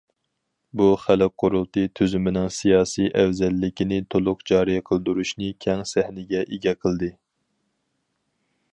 بۇ خەلق قۇرۇلتىيى تۈزۈمىنىڭ سىياسىي ئەۋزەللىكىنى تولۇق جارى قىلدۇرۇشنى كەڭ سەھنىگە ئىگە قىلدى.